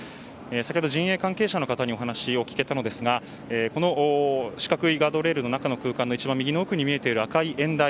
先ほど陣営関係者の方にお話を聞けたのですがこの四角いガードレールの中の空間の一番右の奥に見えている赤い演台